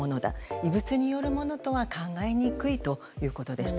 異物によるものとは考えにくいということでした。